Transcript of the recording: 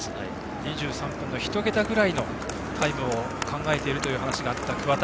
２３分の１桁ぐらいのタイムを考えているという話があった桑田。